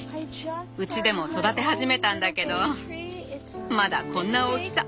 うちでも育て始めたんだけどまだこんな大きさ。